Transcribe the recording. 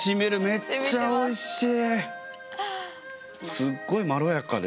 めっちゃおいしい。